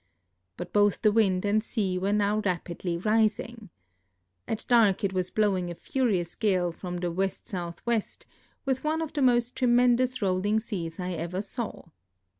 But both the wind and sea were now rai)idly rising. At dark it was V)lowing a furious gale from the W.S.W., with one of the most tremendous rolling seas I ever saw.